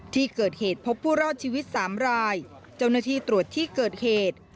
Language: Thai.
ที่เกิดเหตุพบผู้รอดชีวิตสามรายเจ้าหน้าที่ตรวจที่เกิดเหตุ